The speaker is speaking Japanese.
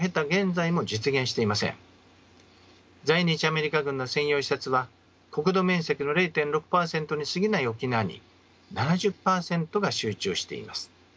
在日アメリカ軍の専用施設は国土面積の０．６％にすぎない沖縄に７０％が集中しています。